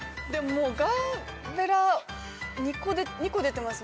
もうガーベラ２個出てます